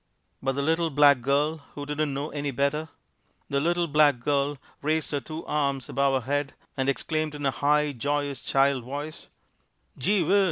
But the little black girl who didn't know any better, the little black girl raised her two arms above her head and exclaimed in a high, joyous child voice "GEE WHIZ!"